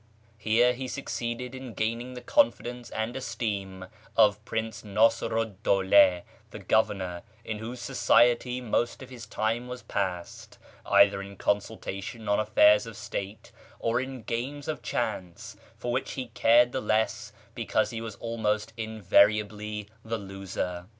Here he had succeeded in gaining the confidence and esteem of Prince Nasiru 'd Dawda, the Governor, in whose society most of his time was passed, either in consultation on affairs of state, or in games of chance, for which he cared the less because he was almost invariably tlie loser.